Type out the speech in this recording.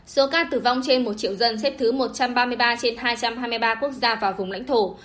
số ca tử vong trên một triệu dân xếp thứ một trăm ba mươi ba trên hai trăm hai mươi ba quốc gia và vùng lãnh thổ